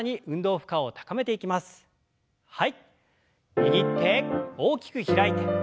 握って大きく開いて。